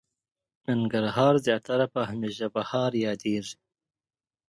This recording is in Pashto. ننګرهار زياتره په هميشه بهار ياديږي.